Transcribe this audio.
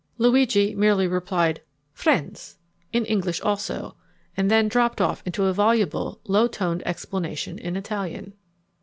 Luigi merely replied, "Friends," in English also, and then dropped off into a voluble, low toned explanation in Italian.